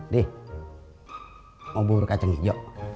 dih mau bubur kacang hijau